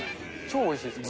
超おいしいです。